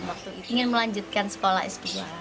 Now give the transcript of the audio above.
waktu itu ingin melanjutkan sekolah sp dua